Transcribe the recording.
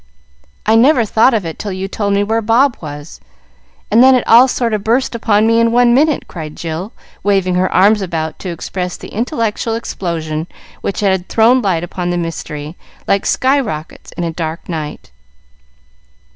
"I never thought of it till you told me where Bob was, and then it all sort of burst upon me in one minute!" cried Jill, waving her arms about to express the intellectual explosion which had thrown light upon the mystery, like sky rockets in a dark night.